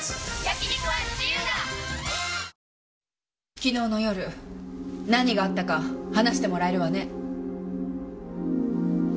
昨日の夜何があったか話してもらえるわね。